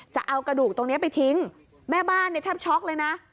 จะเอากระดูกตรงนี้ไปทิ้งแม่บ้านเนี่ยแทบช็อกเลยนะ